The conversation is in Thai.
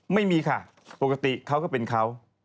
ไม่มีค่ะปกติเขาก็เป็นเขา